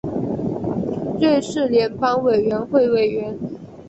瑞士联邦委员会委员。